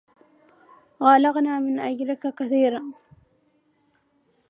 قلقلنا من أجلك كثيرا.